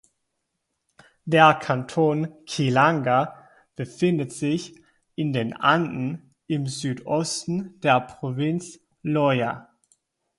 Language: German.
Der Kanton Quilanga befindet sich in den Anden im Südosten der Provinz Loja.